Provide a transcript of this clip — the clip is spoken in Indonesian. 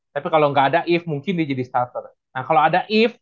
tapi kalau gak ada if mungkin dia jadi starter nah kalau ada if